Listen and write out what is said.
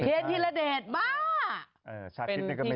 เคนทีระเด็จบ้า